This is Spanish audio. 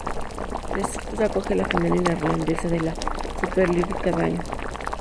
La estructura acoge la final irlandesa de la Superleague cada año.